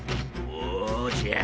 おじゃ。